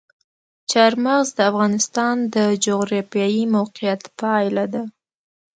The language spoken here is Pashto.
چار مغز د افغانستان د جغرافیایي موقیعت پایله ده.